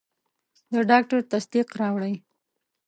د ډاکټر تصدیق راوړئ.